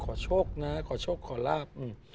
ขอโชคนะขอโชคขอลาบอืม